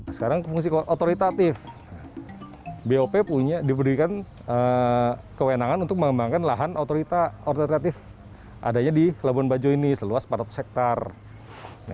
sekarang fungsi otoritatif bop diberikan kewenangan untuk mengembangkan lahan otoritatif adanya di labuan bajo ini seluas empat ratus hektare